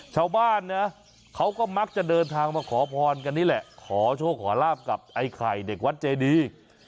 ชาวบ้านนะเขาก็มักจะเดินทางมาขอพรกันนี่แหละขอโชคขอลาบกับไอ้ไข่เด็กวัดเจดี